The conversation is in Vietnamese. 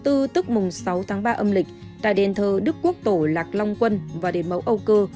tức mùng sáu tháng ba âm lịch tại đền thờ đức quốc tổ lạc long quân và đền mẫu âu cơ